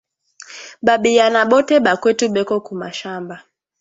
Ba biyana bote ba kwetu beko ku mashamba